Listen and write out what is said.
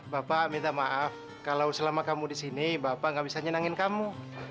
bapak minta maaf kalau selama kamu di sini bapak gak bisa nyenangin kamu